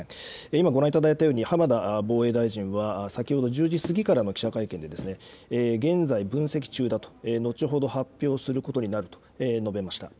今ご覧いただいたように浜田防衛大臣は先ほど１０時過ぎからの記者会見で現在分析中だと、後ほど発表することになると述べました。